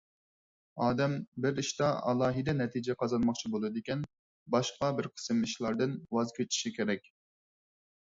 ئادەم بىر ئىشتا ئالاھىدە نەتىجە قازانماقچى بولىدىكەن، باشقا بىر قىسىم ئىشلاردىن ۋاز كېچىشى كېرەك.